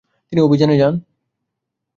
তিনি অভিযানে যান।